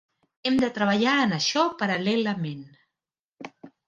Hem de treballar en això paral·lelament.